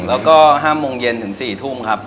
แล้วก็๕โมงเย็นถึง๔ทุ่มครับ